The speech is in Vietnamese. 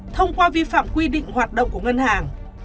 thông qua vi phạm quy định hoạt động của ngân hàng